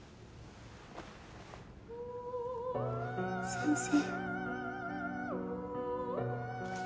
先生。